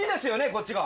こっちが。